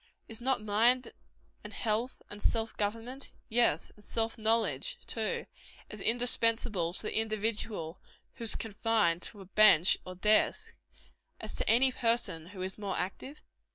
Is not mind, and health, and self government yes, and self knowledge, too as indispensable to the individual who is confined to a bench or desk, as to any person who is more active?